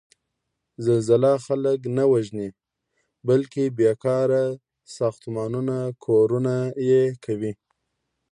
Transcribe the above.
زلزله خلک نه وژني، بلکې بېکاره ساختمانونه کورنه یې کوي.